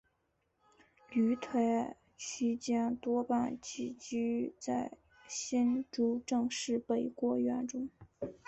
旅台期间多半寄居在新竹郑氏北郭园中。